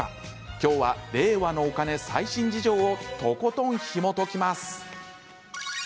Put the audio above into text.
今日は令和のお金最新事情をとことん、ひもときます。